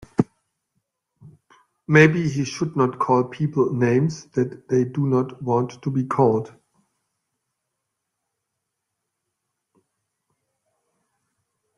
Maybe he should not call people names that they don't want to be called.